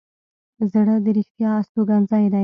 زړه د رښتیا استوګنځی دی.